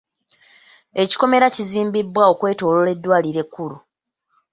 Ekikomera kizimbiddwa okwetooloola eddwaliro ekkulu.